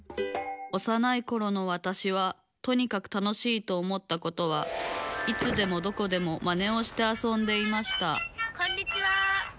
おさないころのわたしはとにかく楽しいと思ったことはいつでもどこでもマネをしてあそんでいましたこんにちは。